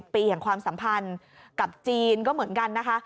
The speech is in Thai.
ปีแห่งความสัมพันธ์กับจีนก็เหมือนกันนะคะ